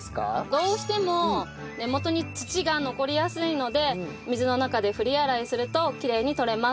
どうしても根元に土が残りやすいので水の中で振り洗いするときれいに取れます。